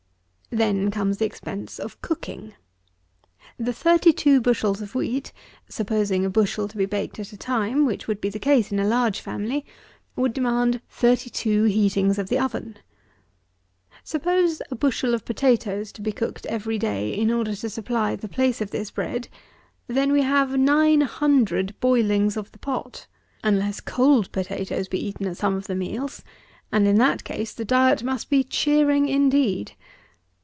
Then comes the expense of cooking. The thirty two bushels of wheat, supposing a bushel to be baked at a time, (which would be the case in a large family,) would demand thirty two heatings of the oven. Suppose a bushel of potatoes to be cooked every day in order to supply the place of this bread, then we have nine hundred boilings of the pot, unless cold potatoes be eaten at some of the meals; and, in that case, the diet must be cheering indeed!